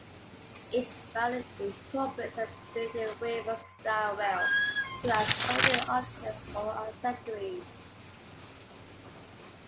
Each barrel incorporates a built-in Weaver-style rail to accommodate optics or accessories.